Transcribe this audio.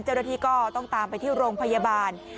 เจ้าหน้าที่ก็ต้องตามไปที่โรงพยาบาล